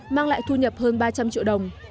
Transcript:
mang lại thu nhập hơn ba trăm linh triệu đồng